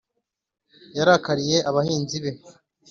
Yarakariye abanzi be